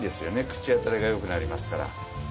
口当たりがよくなりますから。